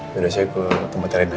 yaudah saya ikut tempat rena ya